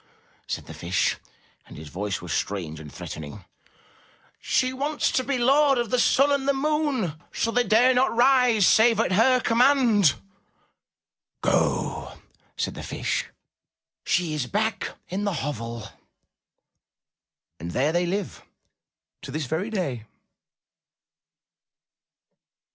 said the Fish, and his voice was strange and threatening. ''She wants to be Lord of the sun and the moon, so they dare not rise save at her command!" ''Go!" said the Fish. "She is back in the hovel." And there they live to this very day.